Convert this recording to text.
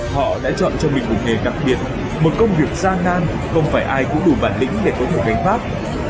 họ đã chọn cho mình một nghề đặc biệt một công việc gian nang không phải ai cũng đủ bản lĩnh để có một cánh pháp